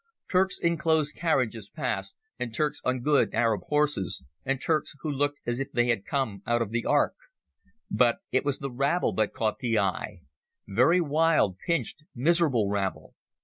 Turks in closed carriages passed, and Turks on good Arab horses, and Turks who looked as if they had come out of the Ark. But it was the rabble that caught the eye—very wild, pinched, miserable rabble.